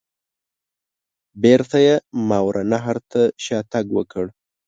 بیرته یې ماوراء النهر ته شاته تګ وکړ.